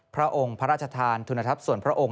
พระองค์พระราชทานทุนทรัพย์ส่วนพระองค์